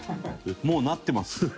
もうなってます。